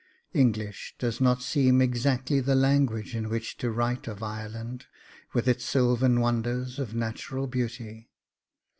English does not seem exactly the language in which to write of Ireland, with its sylvan wonders of natural beauty.